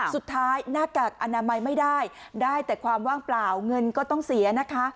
หน้ากากอนามัยไม่ได้ได้แต่ความว่างเปล่าเงินก็ต้องเสียนะคะ